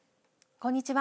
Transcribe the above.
こんにちは。